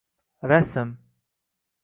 Rasm